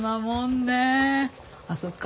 あっそっか。